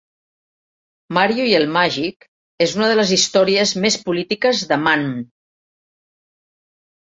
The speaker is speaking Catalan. "Mario i el màgic" és una de les històries més polítiques de Mann.